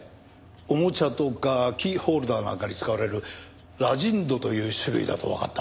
おもちゃとかキーホルダーなんかに使われるラジンドという種類だとわかった。